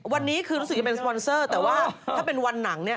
วันนี้คือรู้สึกจะเป็นสปอนเซอร์แต่ว่าถ้าเป็นวันหนังเนี่ย